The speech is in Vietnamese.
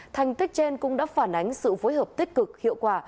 thành tích trên cũng đã phản ánh sự phối hợp tích cực hiệu quả